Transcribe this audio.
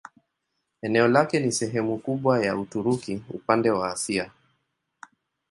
Eneo lake ni sehemu kubwa ya Uturuki upande wa Asia.